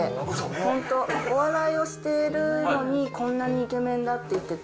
本当、お笑いをしてるのに、こんなにイケメンだって言ってて。